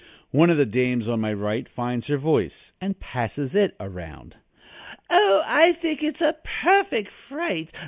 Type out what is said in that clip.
One of the dames on my right finds her voice and passes it around: "Oh, I think it's a perfect fright!